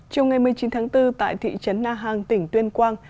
trong ngày một mươi chín tháng bốn tại thị trấn na hàng tỉnh tuyên quang